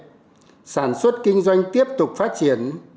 chuyển biến rõ rệt sản xuất kinh doanh tiếp tục phát triển